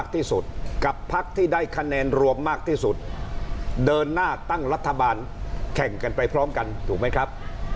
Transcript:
ที่สุดกับพักที่ได้คะแนนรวมมากที่สุดเดินหน้าตั้งรัฐบาลแข่งกันไปพร้อมกันถูกไหมครับ